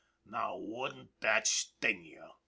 " Now wouldn't that sting you ?